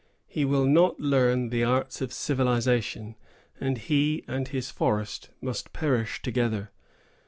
He will not learn the arts of civilization, and he and his forest must perish together.